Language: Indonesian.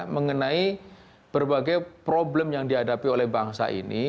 mengenai berbagai problem yang dihadapi oleh bangsa ini